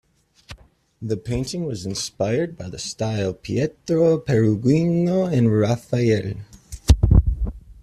The painting was inspired by the style of Pietro Perugino and Raphael.